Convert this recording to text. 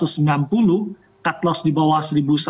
cutloss di bawah satu seratus